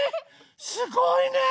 すごいね！